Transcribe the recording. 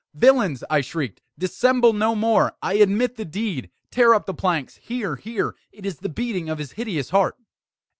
"Villains!" I shrieked, "dissemble no more! I admit the deed! tear up the planks! here, here! It is the beating of his hideous heart!"